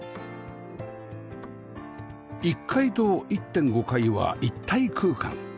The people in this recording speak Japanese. １階と １．５ 階は一体空間